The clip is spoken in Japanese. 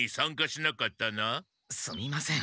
すみません。